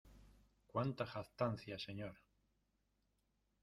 ¡ cuánta jactancia, señor!